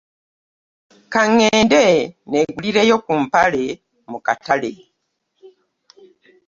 Ka ŋŋende nneegulireyo ku mpale mu katale.